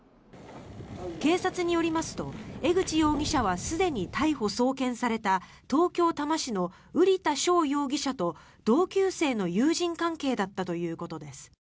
警察によりますと、江口容疑者はすでに逮捕・送検された東京・多摩市の瓜田翔容疑者と同級生の友人関係だったということです。